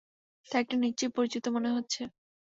তারিখটা নিশ্চয়ই পরিচিত মনে হচ্ছে।